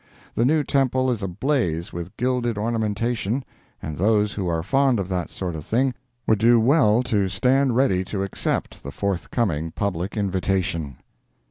The new temple is ablaze with gilded ornamentation, and those who are fond of that sort of thing would do well to stand ready to accept the forthcoming public invitation.